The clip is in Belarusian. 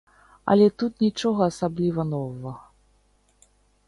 Але тут нічога асабліва новага.